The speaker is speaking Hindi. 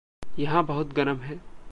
यहाँ बहुत गरम है।